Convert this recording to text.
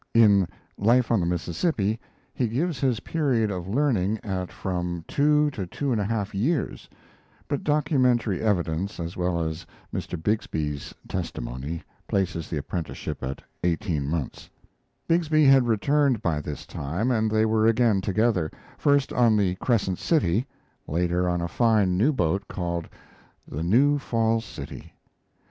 [In Life on the Mississippi he gives his period of learning at from two to two and a half years; but documentary evidence as well as Mr. Bixby's testimony places the apprenticeship at eighteen months] Bixby had returned by this time, and they were again together, first on the Crescent City, later on a fine new boat called the New Falls City.